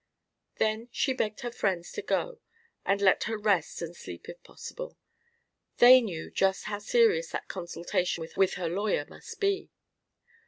Then she begged her friends to go and let her rest and sleep if possible; they knew just how serious that consultation with her lawyer must be.